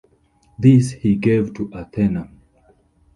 This he gave to Athena.